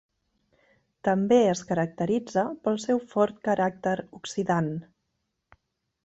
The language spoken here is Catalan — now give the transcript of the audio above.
També es caracteritza pel seu fort caràcter oxidant.